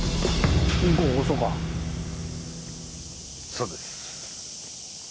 そうです。